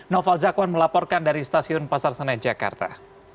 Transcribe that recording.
noval zakwan melaporkan dari stasiun pasar senen jakarta